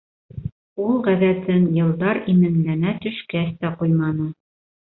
Ул ғәҙәтен йылдар именләнә төшкәс тә ҡуйманы.